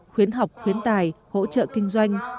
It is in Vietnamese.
khuyến học khuyến tài hỗ trợ kinh doanh